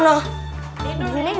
tidur di luar